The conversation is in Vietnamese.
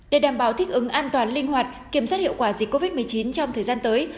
để đảm bảo thích ứng an toàn linh hoạt kiểm soát hiệu quả dịch covid một mươi chín trong thời gian tới